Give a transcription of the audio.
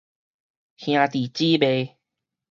兄弟姊妹